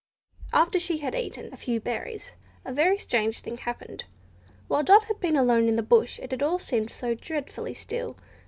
After she had eaten a few berries a very strange thing happened. While Dot had been alone in the bush it had all seemed so dreadfully still.